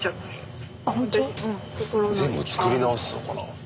全部作り直すのかな？